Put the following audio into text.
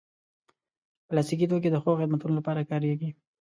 پلاستيکي توکي د ښو خدمتونو لپاره کارېږي.